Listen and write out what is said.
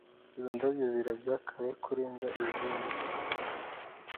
Izi ndabyo zirabya kare kurenza izindi.